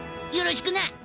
よろしくな。